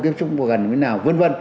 tiếp xúc gần như thế nào v v